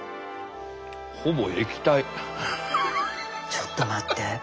ちょっと待って。